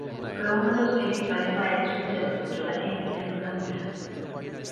Fue uno de los principales maestros de la escultora argentina Lola Mora.